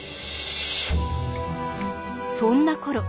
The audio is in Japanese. そんなころ